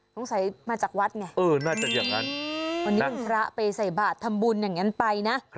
ต้องใส่มาจากวัดไงน่าจะอย่างนั้นนั่งวันนี้วันพระไปใส่บาตรทำบุญอย่างนั้นไปนะ